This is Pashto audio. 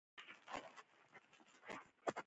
اکا تېره مياشت ښار کندهار ته د دوکان په سودا پسې تللى و.